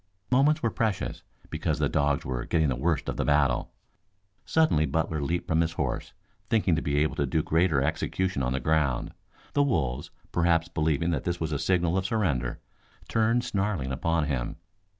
Moments were precious because the dogs were getting the worst of the battle. Suddenly Butler leaped from his horse thinking to be able to do greater execution on the ground. The wolves, perhaps believing that this was a signal of surrender, turned snarling upon him.